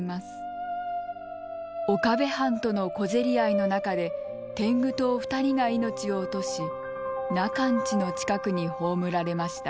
岡部藩との小競り合いの中で天狗党２人が命を落とし中の家の近くに葬られました。